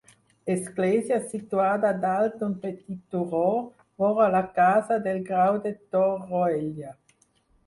Església situada dalt d'un petit turó, vora la casa del Grau de Torroella.